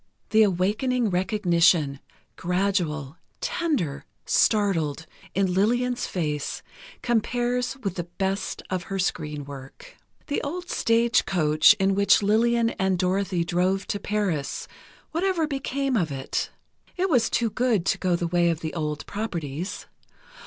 The awakening recognition, gradual, tender, startled, in Lillian's face, compares with the best of her screen work. The old stage coach in which Lillian and Dorothy drove to Paris ... whatever became of it? It was too good to go the way of old properties.